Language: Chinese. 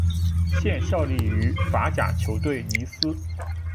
现效力于法甲球队尼斯。